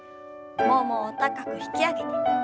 ももを高く引き上げて。